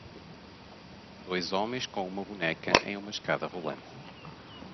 Dois homens com uma boneca em uma escada rolante.